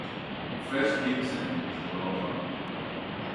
Fresh ginseng is the raw product.